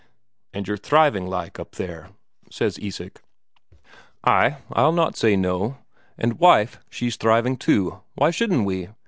"And you're thriving like, up here?" asks Isak. "Ay, I'll not say no. And wife, she's thriving too, why shouldn't we?